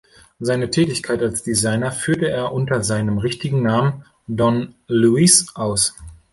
Seine Tätigkeit als Designer führte er unter seinem richtigen Namen „Don Lewis“ aus.